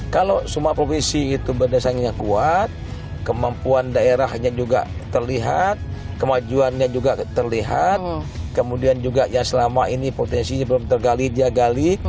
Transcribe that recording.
kalau semua provinsi itu berdasarkannya kuat kemampuan daerahnya juga terlihat kemajuannya juga terlihat kemudian juga yang selama ini potensinya belum tergali dia gali